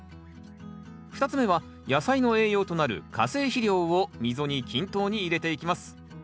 ２つ目は野菜の栄養となる化成肥料を溝に均等に入れていきます。